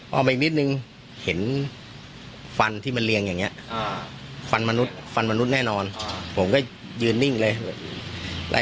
ขนับอ่าตะโกนแบบปังไม่ได้สับอ่ะนะ